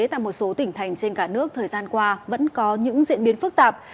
tại một số tỉnh thành trên cả nước thời gian qua vẫn có những diễn biến phức tạp